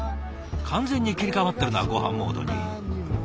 完全に切り替わってるなごはんモードに。